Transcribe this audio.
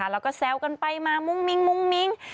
แล้วก็แซวกันไปมามุ้งมิ้ง